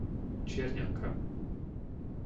Čierňanka